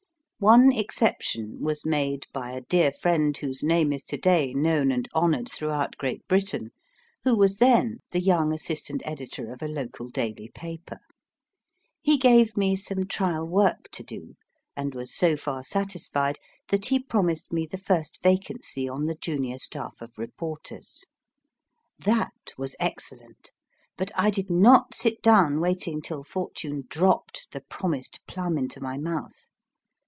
One exception was made by a dear friend whose name is to day known and honoured throughout Great Britain, who was then the young assistant editor of a local daily paper. He gave me some trial work to do, and was so far satisfied that he promised me the first vacancy on the junior staff of reporters. That was excellent, but I did not sit down waiting till fortune dropped the promised plum into my mouth.